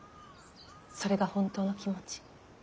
それが本当の気持ち。